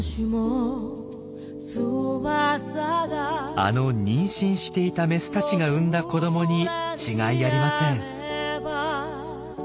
あの妊娠していたメスたちが産んだ子どもに違いありません。